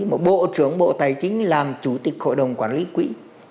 mà bộ trưởng bộ tài chính làm chủ tịch hội đồng quản lý quỹ